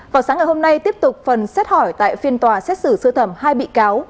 vào sáng ngày hôm nay tiếp tục phần xét hỏi tại phiên tòa xét xử sơ thẩm hai bị cáo